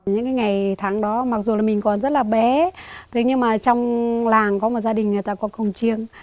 những ngày tháng đó mặc dù mình còn rất là bé nhưng mà trong làng có một gia đình người ta có cồng chiêng